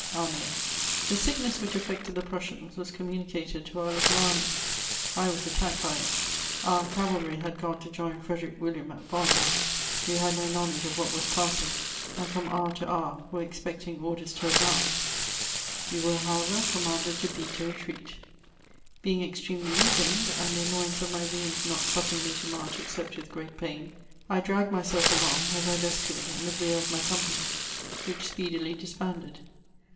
— (Amauld.) The sickness which affected the Prussians was communicated to our little army ; I was attacked by it. Our cavalry had gone to join Frederick William at Valmy. We had no know* ledge of what was passing, and horn, hour to hour were expect ing orders to advance ; we were, however, commanded to beat a retreat. Beiog extremely weak^ied, and the annoyance of my wound not suffering me to march except with great pain, I dragged myself along, as I best could, in ihe rear of my company, which speedily disbanded.